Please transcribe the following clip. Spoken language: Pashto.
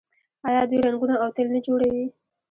آیا دوی رنګونه او تیل نه جوړوي؟